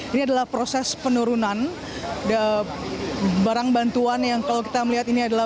ini adalah proses penurunan barang bantuan yang kalau kita melihat ini adalah